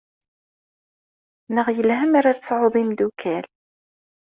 Naɣ yelha mi ara tesɛuḍ imeddukal?